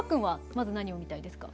まず何を見たいですか？